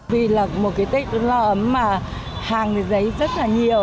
vì là một cái tết nó ấm mà hàng giấy rất là nhiều